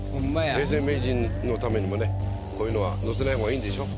永世名人のためにもねこういうのは載せない方がいいんでしょ。